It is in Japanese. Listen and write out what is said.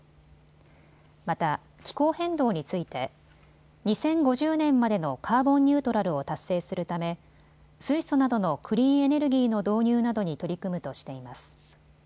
また、気候変動について２０５０年までのカーボンニュートラルを達成するため水素などのクリーンエネルギーの導入などに取り組むとしています。